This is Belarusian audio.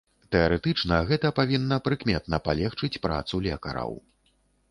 Тэарэтычна, гэта павінна прыкметна палегчыць працу лекараў.